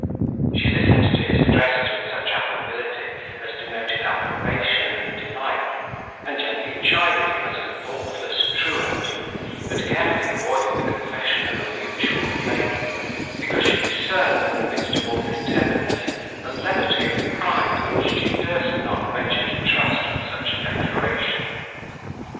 She listened to his addresses with such affability as denoted approbation and delight, and gently chided him as a thoughtless truant, but carefully avoided the confession of a mutual flame; because she discerned, in the midst of all his tenderness, a levity of pride which she durst not venture to trust with such a declaration.